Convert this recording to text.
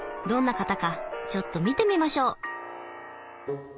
どんな方かちょっと見てみましょう。